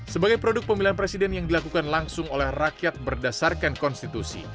sebagai produk pemilihan presiden yang dilakukan langsung oleh rakyat berdasarkan konstitusi